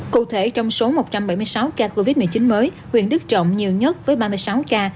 cụ thể trong số một trăm bảy mươi sáu ca covid một mươi chín mới huyện đức trọng nhiều nhất với ba mươi sáu ca